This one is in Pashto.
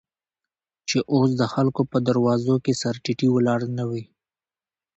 چې اوس دخلکو په دروازو، کې سر تيټى ولاړ نه وې.